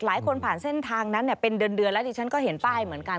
ผ่านเส้นทางนั้นเป็นเดือนแล้วดิฉันก็เห็นป้ายเหมือนกัน